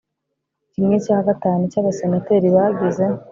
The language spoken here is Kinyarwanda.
kimwe cya gatanu cy Abasenateri bagize